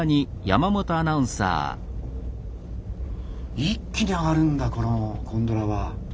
一気に上がるんだこのゴンドラは。